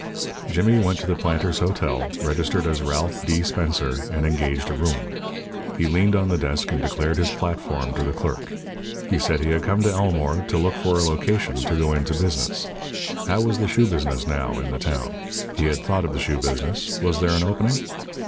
Jimmy went to the Planters' Hotel, registered as Ralph D. Spencer, and engaged a room. He leaned on the desk and declared his platform to the clerk. He said he had come to Elmore to look for a location to go into business. How was the shoe business, now, in the town? He had thought of the shoe business. Was there an opening?